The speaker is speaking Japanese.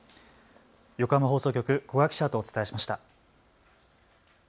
横浜放送局、古賀記者とお伝えしました。